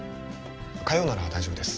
火曜なら大丈夫です